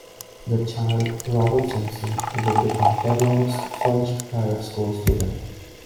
The child, Robert Simpson, would become Devereux's first private school student.